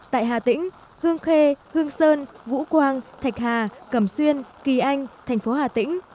tại hà tĩnh hương khê hương sơn vũ quang thạch hà cầm xuyên kỳ anh tp hà tĩnh